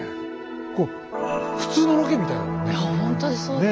こう普通のロケみたいだもんね。